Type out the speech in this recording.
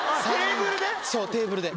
テーブルで？